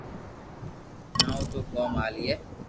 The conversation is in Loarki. ٺاو تو ڪوم ھالئي